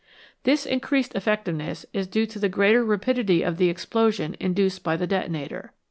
This increased effectiveness is due to the greater rapidity of the explosion induced by the detonator.